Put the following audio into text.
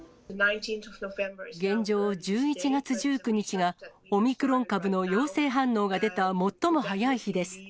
現状、１１月１９日がオミクロン株の陽性反応が出た最も早い日です。